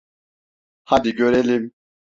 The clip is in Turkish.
Hadi görelim.